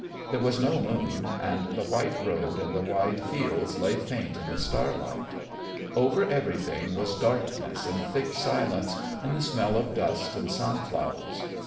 There was no moon, and the white road and the wide fields lay faint in the starlight. Over everything was darkness and thick silence, and the smell of dust and sunflowers.